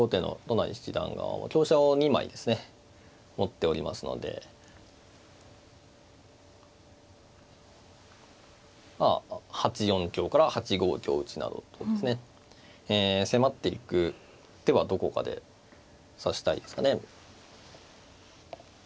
成七段が香車を２枚ですね持っておりますのでまあ８四香から８五香打などとですね迫っていく手はどこかで指したいですかね。